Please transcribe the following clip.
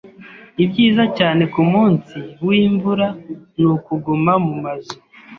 Ibyiza cyane kumunsi wimvura nukuguma mumazu.